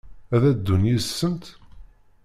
Ad d-ddun yid-sent?